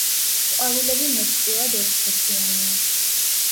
ყვავილები მეტწილად ორსქესიანია.